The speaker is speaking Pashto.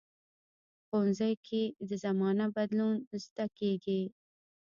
ښوونځی کې د زمانه بدلون زده کېږي